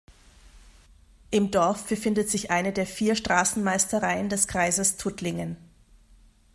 Im Dorf befindet sich eine der vier Straßenmeistereien des Kreises Tuttlingen.